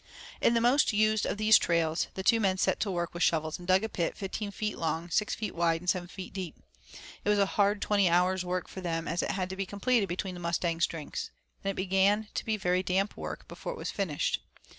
In the most used of these trails the two men set to work with shovels and dug a pit 15 feet long, 6 feet wide and 7 feet deep. It was a hard twenty hours work for them as it had to be completed between the Mustang's drinks, and it began to be very damp work before it was finished.